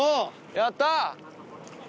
やった！